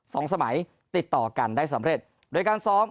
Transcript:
สองสมัยติดต่อกันได้สำเร็จโดยการซ้อม